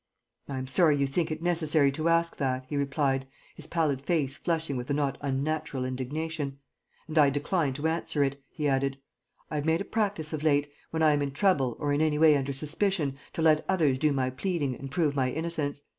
"I am sorry you think it necessary to ask that," he replied, his pallid face flushing with a not unnatural indignation; "and I decline to answer it," he added. "I have made a practice of late, when I am in trouble or in any way under suspicion, to let others do my pleading and prove my innocence.